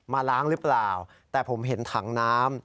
ล้างหรือเปล่าแต่ผมเห็นถังน้ำ